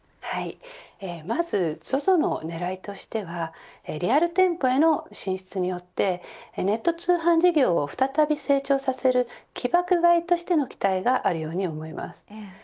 まずＺＯＺＯの狙いとしてはリアル店舗への進出によってネット通販事業を再び成長させる起爆剤としての期待があるように思います。